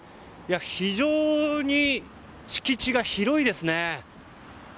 非常に敷地が広いですね。